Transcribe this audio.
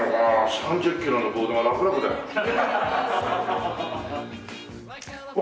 ３０キロのボードがラクラクだよ。